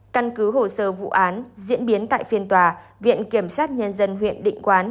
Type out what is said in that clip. căn cứ hồ sơ vụ án diễn biến tại phiên tòa viện kiểm sát nhân dân huyện định quán